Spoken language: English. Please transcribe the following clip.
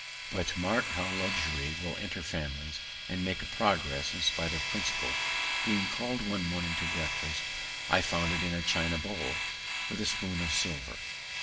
But mark how luxury will enter families, and make a progress, in spite of principle: being call'd one morning to breakfast, I found it in a China bowl, with a spoon of silver!